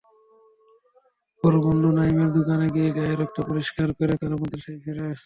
পরে বন্ধু নাঈমের দোকানে গিয়ে গায়ের রক্ত পরিষ্কার করে তারা মাদ্রাসায় ফেরে।